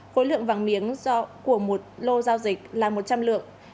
khối lượng vàng miếng của một lô giao dịch là một trăm linh lượng